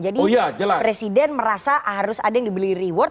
jadi presiden merasa harus ada yang dibeli reward